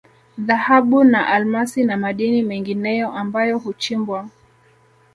Dhahabu na Almasi na madini mengineyo ambayo huchimbwa